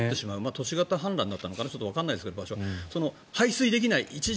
都市型判断になったのかなわからないですが、排水できない